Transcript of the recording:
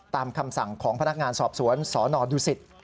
ตามคำสั่งของพนักงานสอบสวนสนดุสิต